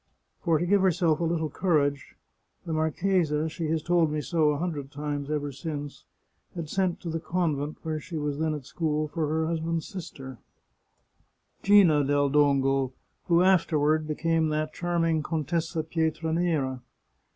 For to give herself a little courage, the marchesa — she has told me so a hundred times over since — had sent to the convent, where she was then at school, for her husband's sister, Gina del Dongo, who afterward became that charming Contessa Pietranera.